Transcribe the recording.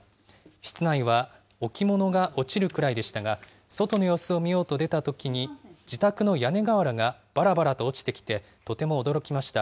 室内は置物が落ちるくらいでしたが、外の様子を見ようと出たときに、自宅の屋根瓦がばらばらと落ちてきて、とても驚きました。